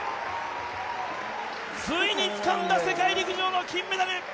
ついにつかんだ世界陸上の金メダル！